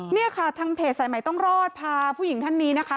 เนี่ยค่ะทางเพจสายใหม่ต้องรอดพาผู้หญิงท่านนี้นะคะ